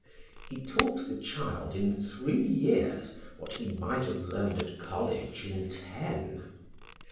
He taught the child in three years what he might have learned at college in ten.